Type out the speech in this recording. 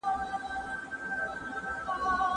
عدالت د ټولنې د ژوند روح دی.